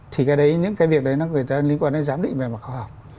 thì cái đấy những cái việc đấy nó người ta liên quan đến giám định về mặt khoa học